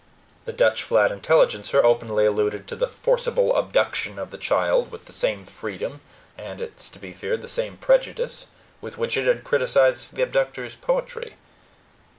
THE DUTCH FLAT INTELLIGENCER openly alluded to the "forcible abduction" of the child with the same freedom, and it is to be feared the same prejudice, with which it had criticized the abductor's poetry.